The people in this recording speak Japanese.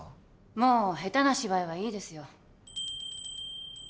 もう下手な芝居はいいですよ